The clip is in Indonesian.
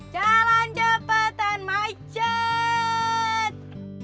jalan jepetan macet